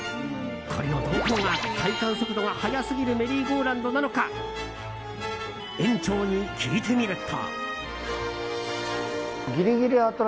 これのどこが体感速度が速すぎるメリーゴーラウンドなのか園長に聞いてみると。